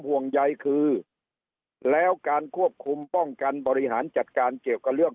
ห่วงใยคือแล้วการควบคุมป้องกันบริหารจัดการเกี่ยวกับเรื่อง